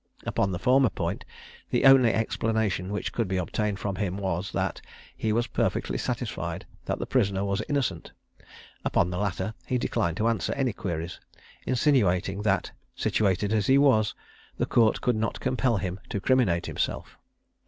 Upon the former point, the only explanation which could be obtained from him was, that he was perfectly satisfied that the prisoner was innocent; upon the latter he declined to answer any queries, insinuating that, situated as he was, the Court would not compel him to criminate himself.